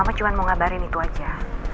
aku cuma mau ngabarin itu aja